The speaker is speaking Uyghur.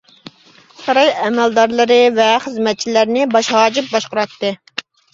ساراي ئەمەلدارلىرى ۋە خىزمەتچىلەرنى باش ھاجىپ باشقۇراتتى.